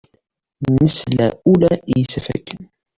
Nesla ula i yisafagen.